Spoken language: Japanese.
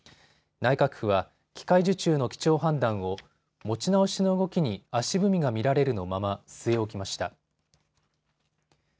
内閣府は機械受注の基調判断を持ち直しの動きに足踏みが見られるのまま据え置きました。